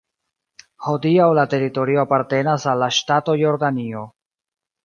Hodiaŭ la teritorio apartenas al la ŝtato Jordanio.